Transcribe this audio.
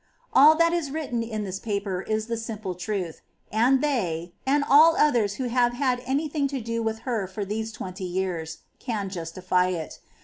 25. All that is written in this paper is the simple truth, and they, and all others who have had any thing to do with her for these twenty years, can justify it.